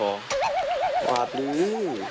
อ้าวอาบนี